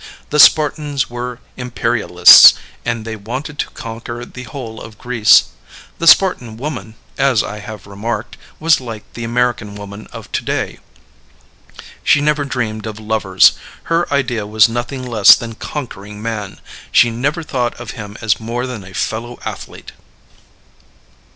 The Spartans were imperialists, and they wanted to conquer the whole of Greece. The Spartan woman, as I have remarked, was like the American woman of to day. She never dreamed of lovers; her idea was nothing less than conquering man; she never thought of him as more than a fellow athlete.